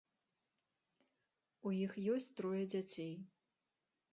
У іх ёсць трое дзяцей.